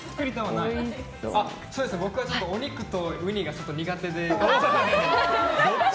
僕はお肉とウニがちょっと苦手で。